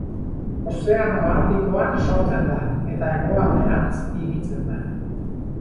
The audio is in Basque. Ozeano Artikoan sortzen da, eta hegoalderantz higitzen da.